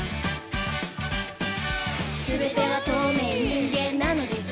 「すべては透明人間なのです」